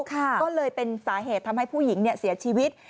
ก็เลยเป็นสาเหตุทำให้ผู้หญิงเสียชีวิต